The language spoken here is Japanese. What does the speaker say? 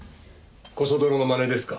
こそ泥のまねですか？